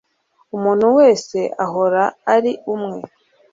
umuntu wese ahora ari umwe